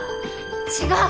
違う！